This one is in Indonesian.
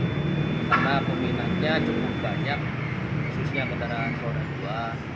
karena peminatnya cukup banyak khususnya pertamaks roda dua